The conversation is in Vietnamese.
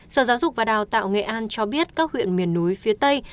sở giáo dục và đào tạo nghệ an cho biết các huyện miền núi phía tây